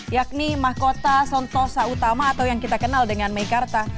yakni mahkota sentosa utama atau yang kita kenal dengan meikarta